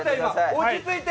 落ち着いて！